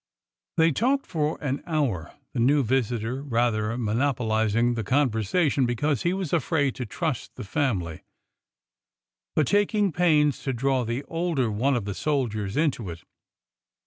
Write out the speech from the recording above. They talked for an hour, the new visitor rather monopo lizing the conversation because he was afraid to trust the family, but taking pains to draw the older one of the sol diers into it.